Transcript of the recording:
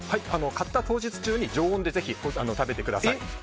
買った当日中に常温でぜひ食べてください。